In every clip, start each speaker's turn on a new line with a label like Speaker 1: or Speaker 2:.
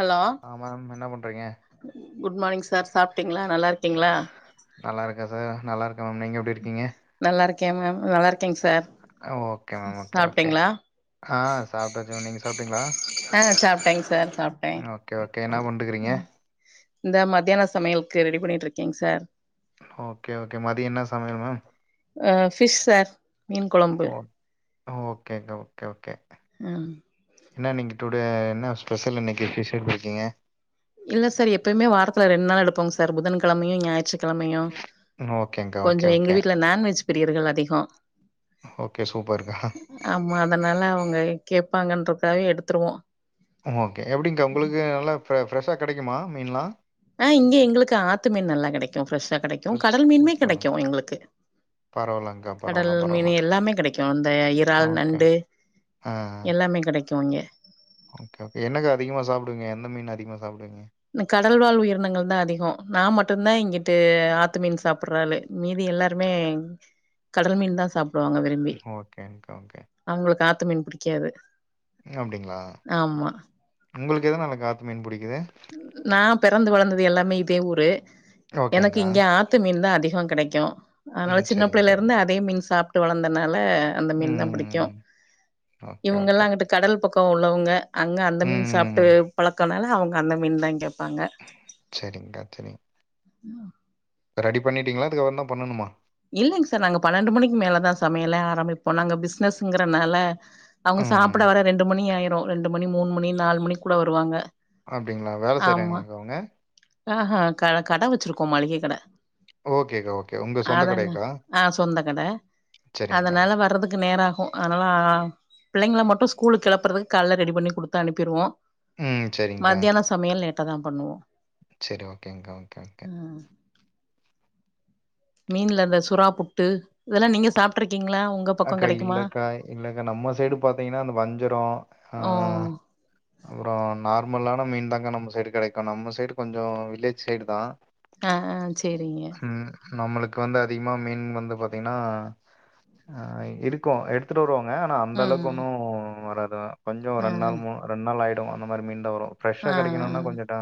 Speaker 1: Hello,
Speaker 2: ஆ ma'am என்ன பண்றீங்க?
Speaker 1: குட் மார்னிங் சார் சாப்ட்டீங்களா, நல்லாருக்கீங்களா?
Speaker 2: நல்லா இருக்கே சார் நல்லா இருக்க மேம் நீங்க எப்டி இருக்கீங்க?
Speaker 1: நல்லா இருக்கே மேம் நல்லா இருக்கேங் sir
Speaker 2: okay ma'am. Okay, okay.
Speaker 1: சாப்ட்டீங்ளா
Speaker 2: ஆ சாப்ட்டாச்சு மேம் நீங்க சாப்ட்டீங்ளா
Speaker 1: நாங்க சாப்ட்டேங்க சார் சாப்
Speaker 2: ம், ஓகே ஓகே என்ன பண்ட்டுக்கிறீங்க
Speaker 1: இந்த மதியான சமையலுக்கு ரெடி பண்ணிட்ருக்கேங் சார்
Speaker 2: ஓகே ஓகே மதிய என்ன சமையல் மேம்
Speaker 1: அ ஃபிஷ் சார் மீன் கொழம்பு
Speaker 2: ஓ ஓகேங்க ஓகே, ஓகே
Speaker 1: ம்
Speaker 2: என்ன நீங்க டுடே என்ன ஸ்பெஷல் இன்னைக்கி ஃபிஷ் எடுத்துருக்கீங்க
Speaker 1: இல்ல சார் எப்பயுமே வாரத்துல ரெண்டு நாள் எடுப்போங்க சார் புதன்கெழமையு, ஞாயிற்றுக்கெழமையு
Speaker 2: ஓகேங்க்கா. ஓகே,
Speaker 1: கொஞ்சோ எங்க
Speaker 2: ஓகே.
Speaker 1: வீட்ல நான்வெஜ் பிரியர்கள் அதிகோ
Speaker 2: ஓகே சூப்பர்க்கா
Speaker 1: ஆமா அதனால அவங்க கேப்பாங்கன்றக்காவே எடுத்துருவோ
Speaker 2: ஓகே எப்டிங்க்கா உங்களுக்கு நல்லா ஃப ஃப்ரெஷ்ஷா கெடைக்குமா மீன்லா
Speaker 1: ஆ இங்க எங்களுக்கு ஆத்து மீன் நல்லா கெடைக்கு, ஃப்ரெஷ்ஷா கெடைக்கு, கடல் மீன்மே
Speaker 2: சூப்பர்.
Speaker 1: கெடைக்கு எங்களுக்கு
Speaker 2: பரவால்லங்க்கா
Speaker 1: கடல்
Speaker 2: பரவால்ல,
Speaker 1: மீன்
Speaker 2: பரவால்ல.
Speaker 1: எல்லாமே கெடைக்கு அந்த இறால்,
Speaker 2: ஓகே.
Speaker 1: நண்டு
Speaker 2: ஆ, ஆ.
Speaker 1: எல்லாமே கெடைக்கு இங்க
Speaker 2: ஓகே ஓகே என்னக்கா அதிகமா சாப்டுவீங்க எந்த மீன் அதிகமா சாப்டுவீங்க
Speaker 1: இந்த கடல்வாழ் உயிரினங்கள்தா அதிகோ நா மட்டுந்தா இங்கிட்டு ஆத்துமீன் சாப்புட்ற‌ ஆளு மீதி எல்லாருமே கடல் மீன்தா சாப்டுவாங்க விரு
Speaker 2: ஓகேங்க்கா ஓகே
Speaker 1: அவங்களுக்கு ஆத்து மீன் புடிக்காது
Speaker 2: அப்டிங்களா
Speaker 1: ஆமா
Speaker 2: உங்களுக்கு எதனாலக்கா ஆத்து மீன் புடிக்குது
Speaker 1: நா பெறந்து வளந்தது எல்லாமே இதே ஊரு, எனக்கு
Speaker 2: ஓகேங்க்கா.
Speaker 1: இங்க ஆ த்து மீன்தா அதிகோ கெடைக்கு, அதனால
Speaker 2: ம்.
Speaker 1: சின்ன
Speaker 2: சரிங்க,
Speaker 1: பிள்ளைல
Speaker 2: சரிங்க.
Speaker 1: இருந்து அதே மீன் சாப்ட்டு வளந்தனால அந்த மீன்தா புடிக்கு
Speaker 2: ம். ஓகே,
Speaker 1: இவங்கல்லா
Speaker 2: ஓகே.
Speaker 1: அங்கட்டு கடல் பக்கோ உள்ளவங்க அங்க அந்த மீன் சாப்ட்டு
Speaker 2: ம்.
Speaker 1: பழக்கனால அவங்க அந்த மீன்தா கேப்பாங்க
Speaker 2: செரிங்க்கா செரிங் ரெடி பண்ணிட்டிங்களா இதுக்கப்றம்தா பண்ணணுமா
Speaker 1: இல்லைங் சார் நாங்க பன்னெண்டு மணிக்கு மேலதா சமையலே ஆரம்பிப்போ நாங்க பிசினஸ்ங்கறனால அவுங்க
Speaker 2: ம்.
Speaker 1: சாப்பிட வர ரெண்டு மணி ஆயிரு ரெண்டு மணி மூணு மணி நாலு மணி கூட வருவாங்க
Speaker 2: அப்டிங்களா வேல செய்றாங்களாங்களா அங்க அவங்க
Speaker 1: ஆஹ கட கடை வச்சிருக்கோ மளிக கட
Speaker 2: ஓகேகா ஓகே உங்க சொந்த
Speaker 1: அதான
Speaker 2: கடையாக்கா?
Speaker 1: ஆ சொந்த கத
Speaker 2: சரிங்க்கா.
Speaker 1: அதனால வர்றதுக்கு நேராகு அதனால புள்ளைங்கள மட்டு ஸ்கூலுக் கொளப்பறதுக்கு கால்ல ரெடி பண்ணி குடுத்து அனுப்பிடுவோ
Speaker 2: ம். சரிங்க்கா.
Speaker 1: மத்தியான சமையல் லேட்டா தா பண்ணுவோ
Speaker 2: செரி ஓகேங்கா ஓகே ஓகே
Speaker 1: ம் மீன்ல்ல இந்த சுறா புட்டு இதெல்லா நீங்க சாப்ட்டுருக்கீங்களா உங்
Speaker 2: அக்கா இல்லக்கா இல்லக்கா நம்ம சைடு பாத்தீங்கன்னா அந்த வஞ்சரோ ஆ
Speaker 1: ஓ
Speaker 2: அப்புறோ நார்மலான மீன்தாங்கா நம்ம சைடு கெடைக்கு நம்ம சைடு கொஞ்சோ வில்லேஜ் சைடு தா
Speaker 1: அ அ சேரிங்க
Speaker 2: ம் நம்மளுக்கு வந்து அதிகமா மீன் வந்து பாத்தீங்கன்னா ஆ இருக்கு எடுத்துட்டு வருவாங்க ஆனா அந்த
Speaker 1: ம்
Speaker 2: அளவுக்கு ஒன்னு வராது கொஞ்சோ
Speaker 1: ஆ
Speaker 2: ரெண்டு நாள் மூன் ரெண்டு நாள்லாயிடு அந்த மாரி மீன் தா வரு ஃப்ரெஷ்ஷா
Speaker 1: ஆ
Speaker 2: கெடைக்கணுன்னா
Speaker 1: ஆ
Speaker 2: கொஞ்சே டா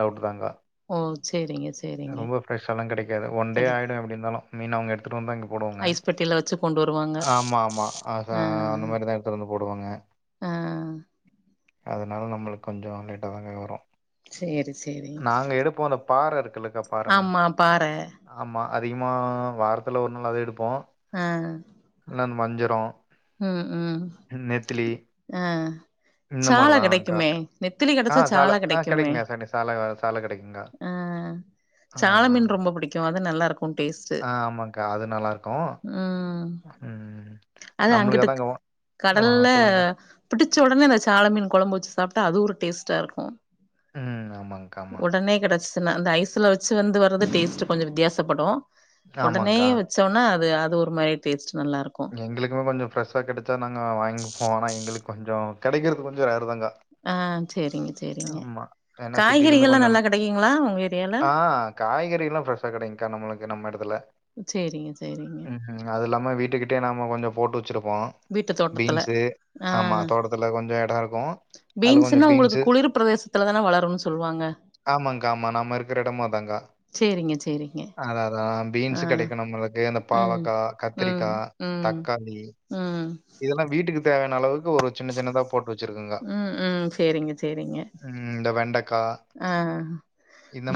Speaker 2: டவுட் தாங்கா
Speaker 1: ஓ சேரிங்க சேரிங்க
Speaker 2: ரொம்ப ஃப்ரெஷ்ஷாலா கெடைக்காது ஒன் டே
Speaker 1: கெடைக்கு
Speaker 2: ஆயிடு எப்பிடி இருந்தாலு மீன் அவங்க எடுத்திட்டு வந்துதா இங்க போடுவங்க
Speaker 1: தீல வச்சு கொண்டு வரு
Speaker 2: ஆமா ஆமா அதா அந்த மாதிரிதா எடுத்துட்டு வந்து போடுவாங்க
Speaker 1: ஆ
Speaker 2: அதனால நம்மளுக்கு கொஞ்சோ லோட்ட தாங்க வரு
Speaker 1: சேரி சேரி
Speaker 2: நாங்க எடுப்போ அந்த பாற இருக்குல்லக்கா பாற மீன்
Speaker 1: ஆமா பாற
Speaker 2: ஆமா அதிகமாக வாரத்துல ஒரு நாள் அத எடுப்போ
Speaker 1: ஆ
Speaker 2: இல்லன் மஞ்சிரோ
Speaker 1: ம் ம் அ
Speaker 2: இந்த
Speaker 1: சால
Speaker 2: மாதிரி தான்க்கா
Speaker 1: கெடைக்குமே நெத்திலி
Speaker 2: ஆ
Speaker 1: கெடைச்சா சால
Speaker 2: ஆ
Speaker 1: கெடைக்குமே
Speaker 2: கிடைக்குங்க சனி சால சால கிடைக்குங்க.
Speaker 1: அ
Speaker 2: ஆ
Speaker 1: சால மீன் ரொம்ப புடிக்கு அது நல்லாருக்கு உங் டேஸ்ட்
Speaker 2: ஆ ஆமாக்கா அது நல்லாருக்கு
Speaker 1: ம்
Speaker 2: ம்
Speaker 1: அது
Speaker 2: நம்மளுக்கு
Speaker 1: அங்குட்டு
Speaker 2: அதாங்க வா- ஆ
Speaker 1: கடல்ல
Speaker 2: சொல்லுங்க.
Speaker 1: புடிச்ச ஒடனே இந்த சாள மீன் கொழம்பு வச்சு சாப்பிட்டா அது ஒரு டேஸ்டாருக்கு
Speaker 2: ம் ஆமாங்
Speaker 1: ஒடனே கெடைச்சதுன்னா இந்த ஐஸ்ல வச்சு வந்து வர்றது டேஸ்ட்டு கொஞ்சோ வித்தியாசப்படு ஒடனே
Speaker 2: ஆமாங்க.
Speaker 1: வச்சோன்னா அது அது ஒரு மாரி டேஸ்ட் நல்லாருக்கு
Speaker 2: எங்களுக்குமே கொஞ்சோ ஃப்ரெஷா கெடச்சா நாங்க வாங்கிப்போ ஆனா எங்களுக்கு கொஞ்சோ கெடைக்கிறது கொஞ்சோ ரேர்தாங்கா
Speaker 1: ஆ சேரிங்க சேரிங்க
Speaker 2: ஏன்னா சிட்டிலருந்து
Speaker 1: காய்கறிகள்லா நல்லா கெடைக்குங்களா உங்க ஏரியால
Speaker 2: காய்கறியெல்லா ஃப்ரெஷ்ஷா கொடைக்குங்கா நம்மளுக்கு நம்ம எடத்துல
Speaker 1: சேரிங்க சேரிங்க
Speaker 2: ம் ம் அது இல்லாம வீட்டுக்கிட்டே நாம கொஞ்சோ போட்டு வச்சுருப்போ
Speaker 1: வீட்டு தோட்டத்துல.
Speaker 2: பீன்ஸு ஆ மாதோட்டத்துல கொஞ்சோ எடோருக்கு அதுல கொஞ்சோ
Speaker 1: பீன்ஸ்ன்னா உங்களுக்கு
Speaker 2: பீன்ஸு
Speaker 1: குளிர் பிரதேசத்துல தான வளருன்னு சொல்லுவாங்க
Speaker 2: ஆமாங்கா ஆமா நாம இருக்கற எடமு அதாங்கா
Speaker 1: சேரிங்க, சேரிங்க.
Speaker 2: அதா அதா
Speaker 1: ஆ
Speaker 2: பீன்ஸ் கெடைக்கு நம்மளுக்கு இந்தப்
Speaker 1: ம்.
Speaker 2: பாவக்கா
Speaker 1: ம், ம்,
Speaker 2: கத்திரிக்கா
Speaker 1: ம்,
Speaker 2: தக்காளி இதெல்லா வீட்டுக்கு தேவையான அளவுக்கு ஒரு சின்ன சின்னதா போட்டு வச்சிருக்கோங்கா
Speaker 1: ம் ம் சேரிங்க சேரிங்க
Speaker 2: ம் இந்த வெண்டக்கா
Speaker 1: அ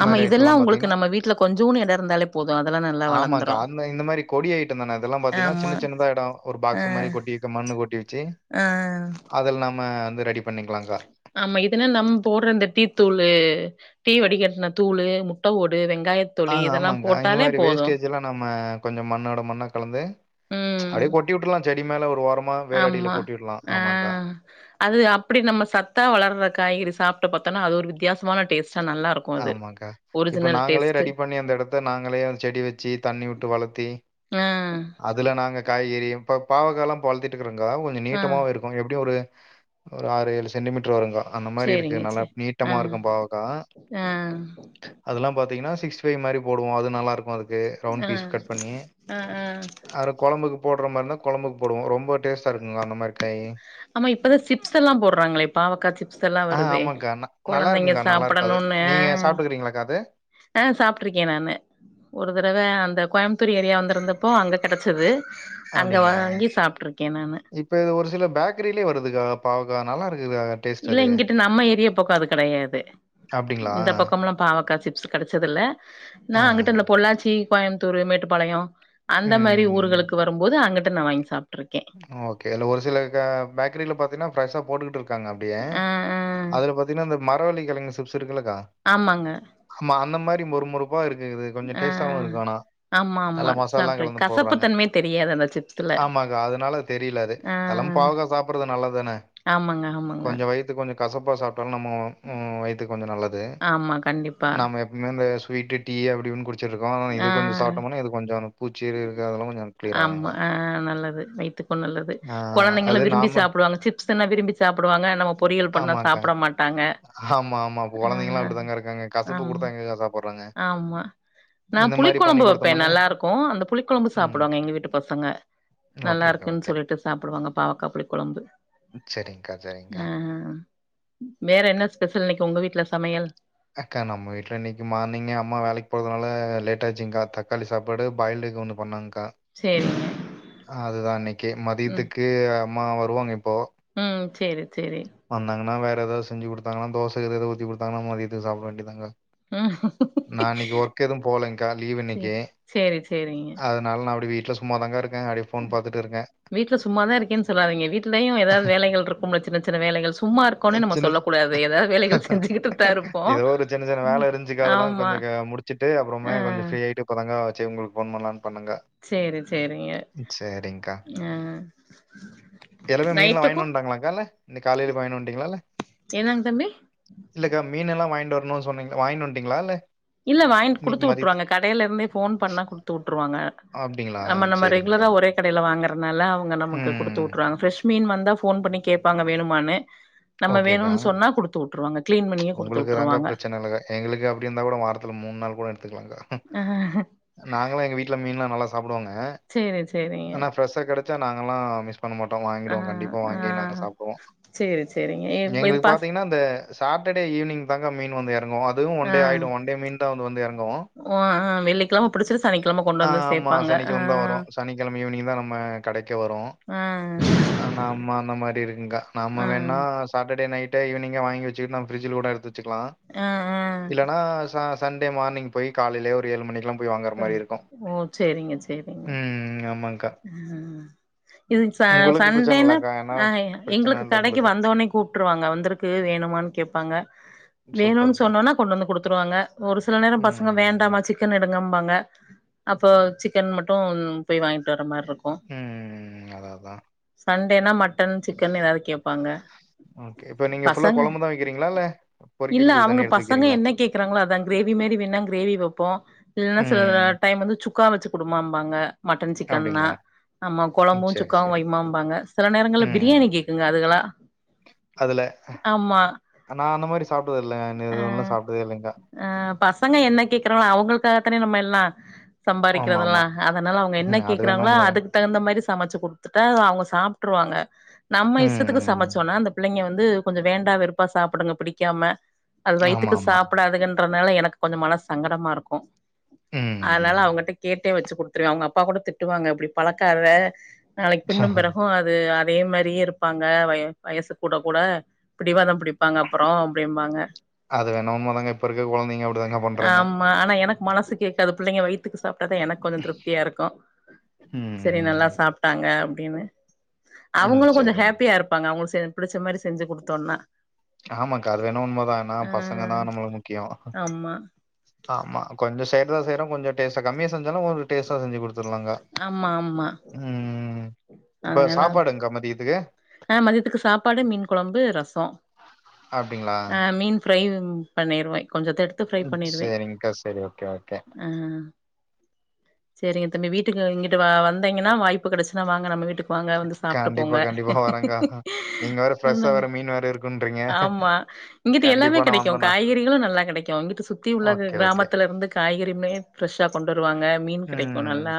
Speaker 1: ஆமா இதெல்லா உங்களுக்கு
Speaker 2: பாத்தீங்கன்னா
Speaker 1: நம்ம வீட்ல கொஞ்சோன்னு எடோ இருந்தாலே போது அதெல்லா நல்லா வளந்துரு
Speaker 2: அ இந்த மாரி கொடி அயிட்டந்தான இதெல்லாம் பாத்தீனா சின்ன சின்னதா எடோ ஒரு
Speaker 1: ஆ,
Speaker 2: பாக்ஸ் மாரி கொட்டி வெக்க மண்ணு கொட்டி வெச்சி
Speaker 1: ஆ.
Speaker 2: அதுல் நாம வந்து ரெடி பண்ணிக்கலாங்க்கா.
Speaker 1: ஆமா இதுன்னா நம் போட்ற இந்த டீத்தூளு டீ வடி கட்ன தூளு, முட்ட ஓடு, வெங்காய
Speaker 2: ஆ ஆமாங்க்கா இந்த மாரி வேஸ்டேஜ் எல்லா நம்ம கொஞ்சோ மண்ணோட மண்ணா கலந்து
Speaker 1: ம்.
Speaker 2: அப்டே கொ ட்டி உட்றலா செடி மேல ஒரு ஓரமா வேர் அடில
Speaker 1: ஆமா.
Speaker 2: கொட்டி உட்லா
Speaker 1: ஆ.
Speaker 2: ஆமாங்க்கா.
Speaker 1: அது அப்பிடி நம்ம சத்தா வளர்ற காய்கறி சாப்ட்டு பாத்தன்னா அது ஒரு வித்தியாசமான டேஸ்ட்டா நல்லாரு
Speaker 2: ஆமாங்க்கா இப்ப நாங்களே ரெடி பண்ணி அந்த எடத்த நாங்களே வந் செடி வெச்சி தண்ணி உட்டு வளத்தி
Speaker 1: ஆ.
Speaker 2: அதுல நாங்க காய்கறியு இப்ப பாவக்கால்லா இப்ப வளத்திட்டுக்கறங்க்கா கொஞ்சோ
Speaker 1: ஆ.
Speaker 2: நீட்டமாவு இரு க்கு எப்டியு ஒரு ஒரு ஆறு ஏழு சென்டிமீட்ரு வருங்கா. அந்த மாரி இருக்கு
Speaker 1: சரிங்க.
Speaker 2: நல்லா நீட்டமாருக்கும் பாவக்கா.
Speaker 1: அ.
Speaker 2: அதெல்லா பாத்தீங்கன்னா சிக்ஸ்டி ஃபை மாரி போடுவோ அது நல்லா இருக்கு அதுக் கு ரவுண்
Speaker 1: ஆ.
Speaker 2: பீஸ் கட் பண்ணி
Speaker 1: ஆ. ஆ.
Speaker 2: அர கொழம்புக்கு போட்ற மாரினா கொழம்புக்கு போடுவோ ரொம்போ டேஸ்ட்டா இருக்குங்ல அந்த மாரி. கையிங்
Speaker 1: ஆமா இப்பதா சிப்ஸ் எல்லா போட்றாங்களே பாவக்கா சிப்ஸ் எல்லா
Speaker 2: ஆ
Speaker 1: வருதே.
Speaker 2: ஆமாங்க்கா. ந
Speaker 1: கொழந்தைங்க
Speaker 2: நல்லாருக்குங்க்கா, நல்லாருக்கும் அது.
Speaker 1: சாப்படணுன்னு
Speaker 2: நீங்க சாப்ட்டுருக்கிறீங்களாக்கா அது?
Speaker 1: அ அ சாப்ட்ருக்கே நானு. ஒரு தடவ அந்த கோயம்புத்தூர் ஏரியா வந்திருந்தப்போ அங்க கெடைச்சுது.
Speaker 2: அப்டிங்ளா இப்ப இது ஒரு சில பேக்கரிலியே வருதுக்கா பாவக்கா நல்லாருக்குது அ
Speaker 1: இல்ல இங்கிட்டு நம்ம ஏரியா பக்கோ அது கெடையாது
Speaker 2: அப்படிங்களா?
Speaker 1: இந்த பக்கம்ல்லா பாவக்கா சிப்ஸ் கெடைச்சது இல்ல நா
Speaker 2: ஆ.
Speaker 1: அங்கிட்டு அதல பொள்ளாச்சி, கோயமுத்தூரு, மேட்டுப்பாளையோ, அந்த மாரி
Speaker 2: ம்.
Speaker 1: ஊர்களுக்கு வரும்போது அங்கிட்டு நா வாங்கி சாப்ட்ருக்கே.
Speaker 2: ஓகே அதுல ஒரு சில க பேக்கரில பாத்தீனா ஃப்ரெஷ்ஷா போட்டுக்கிட்டு இருக்காங்க அப்டியே.
Speaker 1: ஆ ஆ
Speaker 2: அதுல பாத்தீங்கனா அந்த மரவள்ளி கெழங்கு சிப்ஸ் இருக்குல்லக்கா
Speaker 1: ஆமாங்க
Speaker 2: ஆமா அந்த மாரி மொறு மொறுப்பா இருக்கு இது கொஞ்சோ
Speaker 1: ஆ
Speaker 2: டேஸ்ட்டாவு இருக்கு ஆனா.
Speaker 1: ஆமா ஆமா
Speaker 2: நல்லா மசாலாலாம்
Speaker 1: சாப்புட்ரு
Speaker 2: கலந்து
Speaker 1: கசப்புத்தன்மை தெரியாது அந்த சிப்ஸ்ல.
Speaker 2: கா அதுனால அது தெரில அது
Speaker 1: ஆ
Speaker 2: அது இல்லாம் பாவக்கா சாப்பறது நல்லத் தான
Speaker 1: ஆமாங்க ஆமாங்க
Speaker 2: கொஞ்சோ வயித்துக் கொஞ்சோ கசப்பா சாப்ட்டாலு நம்ம ம் வயித்துக் கொஞ்சோ நல்லது
Speaker 1: ஆமா கண்டிப்பா
Speaker 2: நம்ம எ இன்னு இந்த ஸ்வீட்டு டீயி அப்டி இப்பின் குடி ச்சிருக்கோ ஆனா இது கொஞ்சோ
Speaker 1: ஆ
Speaker 2: சாப்ட்டம்னா இது கொஞ்சோ அந்த பூச்சி இருக்குறதெல்லா கொஞ்சோ கிளியராகுங்கா.
Speaker 1: அ நல்லது வை த்துக்கு நல்லது கொழந்தைங்களு
Speaker 2: அது
Speaker 1: விரும்பி
Speaker 2: நாம
Speaker 1: சாப்புடுவாங்க சிப்ஸ்ன்னா விரும்பி சாப்புடுவாங்க நம்ம பொரியல் பண்ணா
Speaker 2: ஆமாக்கா.
Speaker 1: சாப்ட மாட்டாங்க.
Speaker 2: ஆமா ஆமா இப்ப
Speaker 1: ஆ
Speaker 2: கொழந்தைங்கள்லா அப்டித்தாங்கா இருக்காங்க கசப்ப
Speaker 1: ஆமா
Speaker 2: குடுத்தா எங்கக்கா சாப்பறாங்க.
Speaker 1: ஆமா நா புளிக்கொழம்பு வெப்பே நல்லாருக்கு. அந்த புளிக்கொழம்பு
Speaker 2: ம்.
Speaker 1: சாப்புடுவாங்க. எங்க வீட்டு பசங்க
Speaker 2: ஓகேக்கா,
Speaker 1: நல்லாருக்குன்
Speaker 2: ஓகே.
Speaker 1: சொல்லிட்டு சாப்புடுவாங்க பாவக்கா புளிக்கொழம்பு.
Speaker 2: செரிங்க்கா செரிங்க்கா.
Speaker 1: ஆ வேற என்ன ஸ்பெஷல் இன்னிக்கு உங்க வீட்ல சமையல்?
Speaker 2: அக்கா நம்ம வீட்ல இன்னிக்கு மார்னிங்கு அம்மா வேலைக் போறதுனால லேட் ஆச்சுங்க்கா தக்காளி சாப்பாடு பாயில்டு எக் ஒன்னு பண்ணாங்க்கா.
Speaker 1: சேரிங்க.
Speaker 2: அ அதுதா இன்னைக்கே
Speaker 1: ம்
Speaker 2: மதியத்துக்கு அம்மா வருவாங்க இப்போ.
Speaker 1: ம் சேரி சேரி.
Speaker 2: வந்தாங்கனா வேற ஏதாது செஞ்சு குடுத்தாங்கனா தோச எதாது ஊத்தி குடுத்தாங்கனா மதியத்துக்கு சாப்ட வேண்டியதாங்கா
Speaker 1: ம்
Speaker 2: நா இன்னைக்கு ஒர்க் எதுவு போலங்க்கா லீவ் இன்னைக்கு
Speaker 1: சேரி சேரி சேரிங்க
Speaker 2: அத னால நா அப்டியே வீட்ல சும்மா தாங்கா இருக்கே அப்டியே போன் பாத்துட்டு இருக்கே
Speaker 1: வீட்ல சும்மாதா இருக்கேனு சொல்லாதீங்க வீட்லயு ஏதாது வேலைகள் இருக்கும்ல சின்ன சின்ன வேலைகள் சும்மா இரு கோனு நம்ம
Speaker 2: சின்ன
Speaker 1: சொல்லக்கூடாது ஏதாது வேலைகள் செஞ்சுகிட்டுதா இருப்போ
Speaker 2: ஏதோ ஒரு சின்ன சின்ன வேல இருந்துச்சுக்கா அதெல்லா
Speaker 1: ஆமா
Speaker 2: கொஞ்சோ க முடிச்சுட்டு
Speaker 1: ஆ
Speaker 2: அப்புறமா கொஞ்ச ஃப்ரீயாயிட்டு இப்பதாங்க வச்சு உங்களுக்கு போன் பண்ணலான் பண்ணங்க்கா
Speaker 1: சேரி சேரிங்க அ
Speaker 2: எல்லாமே மீன்லா வாங்கினு வண்டாங்களாகா இல்ல இன்னைக்கு காலையில போயி வாங்கிட்டு வண்டீங்களால
Speaker 1: என்னங்க தம்பி
Speaker 2: இல்லக்கா மீனெல்லா வாங்கிட்டு வரணுனு சொன்னீங்க வாங்கிட்டு வன்ட்டீங்களா இல்ல
Speaker 1: இல்ல வாங்கிட்டு
Speaker 2: இன்னைக்கு
Speaker 1: குடுத்து
Speaker 2: மதியத்து
Speaker 1: வுட்ருவாங்க கடையில இருந்தே ஃபோன் பண்ணா குடுத்து வுட்ருவாங்க
Speaker 2: அப்படிங்களா
Speaker 1: நம்ம நம்ம
Speaker 2: சரிங்கக்கா
Speaker 1: ரெகுலரா ஒரே கடையில வாங்கறனால அவுங்க நமக்கு குடுத்து
Speaker 2: ம்
Speaker 1: வுட்றாங்க ஃப்ரெஷ் மீன் வந்தா ஃபோன் பண்ணி கேப்பாங்க வேணுமானு நம்ம
Speaker 2: ஓகேக்கா
Speaker 1: வேணுனு சொன்னா குடுத்து வுட்ருவாங்க கிளீன் பண்ணியே குடுத்து
Speaker 2: உங்களுக்கு தாங்க
Speaker 1: வுட்ருவாங்க
Speaker 2: பிரச்சனை இல்லைக்கா எங்களுக்கு அப்டி இருந்தா கூட வாரத்துல மூணு நாள் கூட எடுத்துக்கலாங்க்கா
Speaker 1: ஆ
Speaker 2: நாங்களா எங்க வீட்ல மீன்லா நல்லா சாப்பிடுவோங்க
Speaker 1: சேரி சேரிங்க
Speaker 2: ஆனா ஃப்ரெஷ்ஷா கெடைச்சா நாங்கள்லா மிஸ் பண்ண மாட்டோ
Speaker 1: ஆ
Speaker 2: வாங்கிடுவோ கண்டிப்பா
Speaker 1: ஆ
Speaker 2: வாங்கி நாங்க சாப்டுவோ
Speaker 1: சேரி சேரிங்க இப்ப இது
Speaker 2: எங்களுக்கு
Speaker 1: பாஸ்
Speaker 2: பாத்தீங்கன்னா இந்த சாட்டடே ஈவ்னிங் தாங்கா மீன் வந்து எறங்கு அ து ஒன்
Speaker 1: ஆ
Speaker 2: டே ஆயிடு ஒன்டே மீன் தா வந்து வந்து எறங்கு
Speaker 1: ஓ ஆ வெள்ளிக்கிழம புடிச்சிட்டு சனிக்கிழம கொண்டு
Speaker 2: ஆ
Speaker 1: வந்து
Speaker 2: ஆமா
Speaker 1: சேப்பாங்க ஆ
Speaker 2: சனிக்கெழம தா வரு சனிக்கெழமை ஈவ்னிங் தா நம்ம கடைக்கே வரு
Speaker 1: ஆ
Speaker 2: ஆன அம்மா அந்த மாரி இருக்குங்கா நம்ம
Speaker 1: ஆ
Speaker 2: வேணா சாட்டடே நைட்டே ஈவினிங்கே வாங்கி வச்சுக்கிட்டு நம்ம ஃப்ரிட்ஜ்ல கூட எடுத்து வச்சுக்லா
Speaker 1: ஆ ஆ
Speaker 2: இல்லனா சா சண்டே மார்னிங் போயி காலைலயே ஒரு ஏழு மணிக்குலா
Speaker 1: ம் ஓ சேரிங்க சேரிங்க
Speaker 2: ம் ஆமாங்கா
Speaker 1: அ இதுங் ச
Speaker 2: பிரச்சனை
Speaker 1: சண்டேனா
Speaker 2: இல்லக்கா? ஏன்னா
Speaker 1: ஆ
Speaker 2: பிரச்சனை
Speaker 1: எங்களுக்
Speaker 2: இல்ல
Speaker 1: கடைக்கு
Speaker 2: உங்களுக்கு.
Speaker 1: வந்தோனே கூப்ட்டுருவாங்க வந்துருக்கு வேணுமான் கேப்பாங்க வேணுனு
Speaker 2: சூப்பர்க்கா.
Speaker 1: சொன்னோனா கொண்டு வந்து குடுத்துருவாங்க ஒரு சில நேரம் பசங்க
Speaker 2: ம்.
Speaker 1: வேண்டாமாச்சு சிக்கன் எடுங்கம்பாங்க அப்போ சிக்கன் மட்டு போயி வாங்கிட்டு வர மாரி இருக்கு
Speaker 2: ம். ம், அதான் அதான்.
Speaker 1: சண்டேனா மட்டன் சிக்கன் எதாது கேப்பாங்க
Speaker 2: ஓகே இப்ப நீங்க ஃபுல்லா
Speaker 1: பசங்க
Speaker 2: கொழம்பு தான் வைக்கிறீங்களா இல்ல பொறிக்கிறதுக்கு தனியா எடுத்து வைக்கிறீங்களா
Speaker 1: கேக்குராங்களா அதா கிரேவி மாரி வேணா கிரேவி வப்போ இல்லனா சில
Speaker 2: ம்.
Speaker 1: டைம் வந்து சுக்கா வச்சு குடுமாம்பாங்க மட்டன் சிக்
Speaker 2: அப்டிங்களா
Speaker 1: ஆமா
Speaker 2: ம்.
Speaker 1: கொழம்பு
Speaker 2: சரி,
Speaker 1: சுக்காவு
Speaker 2: சரி.
Speaker 1: வைம்மாம்பாங்க சில நேரங்கள்ல
Speaker 2: ம்.
Speaker 1: பிரியாணி கேக்குங்க அதுகலா
Speaker 2: அதுல நா அந்த மாரி சாப்டதுல்ல இது வரலு சாப்டதே இல்லக்கா
Speaker 1: ஆ பசங்க என்ன கேக்குறாகளோ அவுங்களுக்காகத்தானே நம்ம எல்லா சம்பாறிக்கிறதெல்லா
Speaker 2: ஆமாமா.
Speaker 1: அதனால அவுங்க என்ன
Speaker 2: ம். அது வேணா
Speaker 1: கேக்குறாங்களோ
Speaker 2: உண்மதாங்க.
Speaker 1: அதுக் குத் தகுந்த மாரி சமச்சு குடுத்துட்டா அவுங்க சாப்ட்ருவாங்க நம்ம இஷ்டத்துக்கு
Speaker 2: ம்.
Speaker 1: சமைச்சோனா அந்த பிள்ளைங்க வந்து கொஞ்ச வேண்டா வெறுப்பா சாப்பிடுங்க பிடிக்காம அது வயித்துக்கு
Speaker 2: ஆமாமா.
Speaker 1: சாப்டாதுங்கன்றனால எனக்கு கொஞ்சோ மனசு சங்கடமாருக்கு அதனால
Speaker 2: ம்.
Speaker 1: அவுங்கட்ட கேட்டே வச்சு குடுத்துருவே அவுங்க அப்பா கூட திட்டுவாங்க அப்டி பழக்காத நாளைக்கு பின்னு பெறகு அது அதே மாரியே இருப் பாங்க வய வயசு கூட கூட பிடிவாதம் பிடிப் பாங்க அப்பறோ அப்டிம்பாங்க
Speaker 2: அது வேணா உண்மதாங்க. இப்ப இருக்க குழந்தைங்க அப்டிதாங்க பண்றாங்க.
Speaker 1: ஆம் மா ஆனா எனக்கு மனசு கேக்காது பிள்ளைங்க வயித்துக்கு சாப்டா தா எனக்கு கொஞ்சோ திருப்தியா இருக்கு சேரி நல்லா
Speaker 2: ம்.
Speaker 1: சாப்டாங்க அப்டின்னு
Speaker 2: ம்.
Speaker 1: அவுங்களு கொஞ்சோ
Speaker 2: சரிங்க.
Speaker 1: ஹேப்பியா இருப் ப்பாங்க அவுங்களுக்கு செ பிடிச்ச மாரி செஞ்சு குடுத்தோனா
Speaker 2: ஆமாங்க்கா அது வேணு உண்மதா ஏனா பசங்கனா நம்மளுக்கு முக்கியோ
Speaker 1: அம்மா
Speaker 2: ஆமா கொஞ்சோ செய்றது தா செய்றோ கொஞ்ச டேஸ்ட்ட கம்மியா செஞ்சாலு ஒரு டேஸ்ட்டா செஞ்சு குடுத் தெர்லாங்கா
Speaker 1: ஆமா ஆமா
Speaker 2: ம் இப்ப
Speaker 1: அதனால
Speaker 2: சாப்பாடுங்கா மதியதுக்கு
Speaker 1: ஆ மதியத்துக்கு சாப்பாடு மீன் கொழம்பு ரசோ
Speaker 2: அப்டிங்களா
Speaker 1: அ மீன் ஃப்ரையும் பண்ணிறுவே கொஞ்சத்த எடு
Speaker 2: ம் சேரிங்க்கா சேரி ஓகே ஓகே
Speaker 1: அ சேரிங்க தம்பி வீட்டுக்கு இங்கிட்டு வ வந்தீங்கன்னா வாய்ப்பு கெடைச்சுனா வாங்க நம்ம வீட்டுக்கு வாங்க வந்து சாப்டு
Speaker 2: கண்டிப்பா
Speaker 1: போங்க
Speaker 2: கண்டிப்பா வரேங்கா நீங்க வேற ஃப்ரெஷ்ஷா
Speaker 1: ஒன்னுல்ல
Speaker 2: வேற மீன் வேற இருக்குன்றீங்க
Speaker 1: ஆமா இங்கிட்டு எல்லாமே
Speaker 2: கண்டிப்பா நா
Speaker 1: கெடை க்கு
Speaker 2: வந்தண்ணா
Speaker 1: காய்கறிகளு நல்லா கெடைக்கு இங்கிட்டு சுத்தி உள்ள கி
Speaker 2: ஓகே ஓகே
Speaker 1: கிராமத்துல இருந்து காய்கறியுமே ஃப்ரெஷ்ஷா கொண்டு வருவாங்க மீன் கெடைக்கு
Speaker 2: ம்
Speaker 1: நல்லா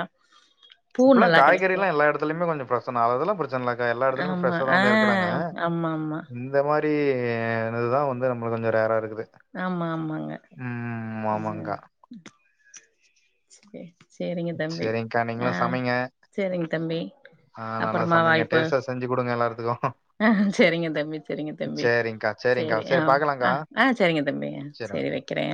Speaker 1: பூ
Speaker 2: இப்பல்லா
Speaker 1: நல்லா
Speaker 2: காய்கறி
Speaker 1: கெடைக்கு
Speaker 2: எல்லா எல்லா எடத்துலையுமே கொஞ்சோ பிரெச்சன அதெல்லா புடி ச்சன இல்லக்கா எல்லா எடத்துலுமே
Speaker 1: ஆமா
Speaker 2: ஃபிரெஷா தா
Speaker 1: ஆ
Speaker 2: வந்து எறக்கிறாங்க
Speaker 1: ஆமா ஆமா
Speaker 2: இந் த மாரி இதுதா வந்து நம்மளுக்கு கொஞ்சோ ரேரா இருக்குது
Speaker 1: ஆமா ஆமாங்க
Speaker 2: ம்
Speaker 1: ஹ
Speaker 2: ஆமாங்கா
Speaker 1: செ சேரிங்க தம்பி
Speaker 2: சேரிங்க்கா
Speaker 1: ஆ
Speaker 2: நீங்களு சமைங்க
Speaker 1: சேரிங்க தம்பி
Speaker 2: ஆ நல்லா
Speaker 1: அப்பறமா
Speaker 2: சமைங்க
Speaker 1: வாய்ப்பு
Speaker 2: டேஸ்ட்டா செஞ்சு குடுங்க எல்லாருத்துக்கு
Speaker 1: ஆஹ் செரிங்க தம்பி செரிங்க தம்பி
Speaker 2: சேரிங்க்கா சேரிங்க்கா
Speaker 1: சேரி ஆ
Speaker 2: பாக்கலாங்கா
Speaker 1: ஆஹ் ஆஹ் சேரிங்க தம்பி சேரி வக்கிறே